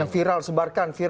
yang viral sebarkan